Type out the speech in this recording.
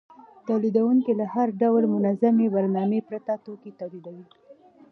تولیدونکي له هر ډول منظمې برنامې پرته توکي تولیدوي